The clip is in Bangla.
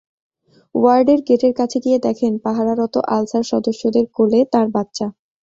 ওয়ার্ডের গেটের কাছে গিয়ে দেখেন পাহারারত আনসার সদস্যের কোলে তাঁর বাচ্চা।